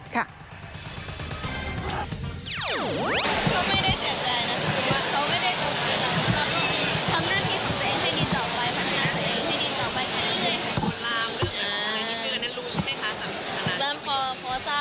เขาไม่ได้เสียใจนะสมมุติว่าเขาไม่ได้โดนเกลียดเรา